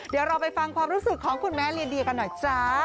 เดี๋ยวเราไปฟังความรู้สึกของคุณแม่ลีเดียกันหน่อยจ้า